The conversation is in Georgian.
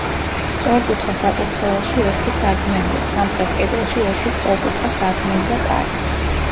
სწორკუთხა საკურთხეველში ერთი სარკმელია, სამხრეთ კედელში ერთი სწორკუთხა სარკმელი და კარი.